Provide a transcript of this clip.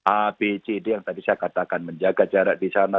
apcd yang tadi saya katakan menjaga jarak di sana